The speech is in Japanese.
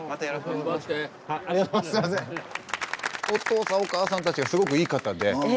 おとうさんおかあさんたちがすごくいい方で。